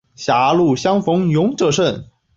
澜沧羌活是伞形科羌活属的植物。